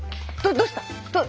どうした？